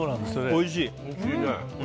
おいしい！